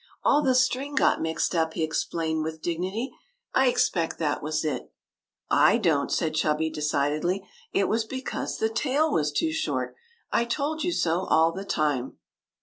*' All the string got mixed up," he ex plained with dignity ;'' I expect that was it." " I don't," said Chubby, decidedly ;" it was because the tail was too short. I told you so, all the time."